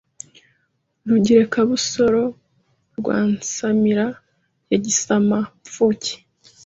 Rugerekabusoro rwa Nsamira ya Gisamamfuke